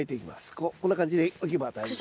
こうこんな感じで置けば大丈夫です。